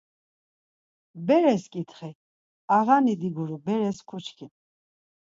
Beres ǩitxi. Ağani diguru, beres kuçkin.